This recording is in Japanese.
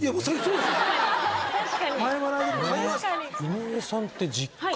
井上さんって実家。